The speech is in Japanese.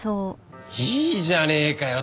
いいじゃねえかよ